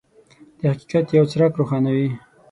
د حقیقت یو څرک روښانوي.